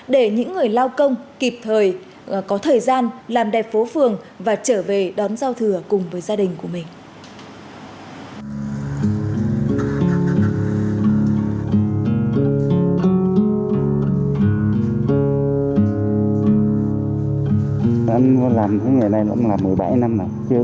để những người lao công kịp thời có thời gian làm đẹp phố phường và trở về đón giao thừa cùng với gia đình của mình